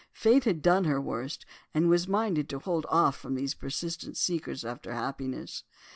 Fate had done her worst, and was minded to hold off from these persistent seekers after happiness.